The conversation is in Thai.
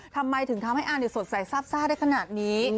ทำไมถึงทำให้อาสดใสซาบซ่าได้ขนาดนี้